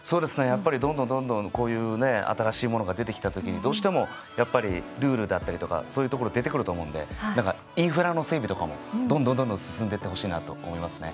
やっぱりどんどんどんどんこういう新しいものが出てきた時にどうしてもやっぱりルールだったりとかそういうところ出てくると思うんで何かインフラの整備とかもどんどんどんどん進んでってほしいなと思いますね。